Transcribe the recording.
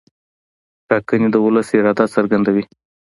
ټاکنې د ولس اراده څرګندوي